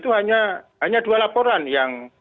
hanya dua laporan yang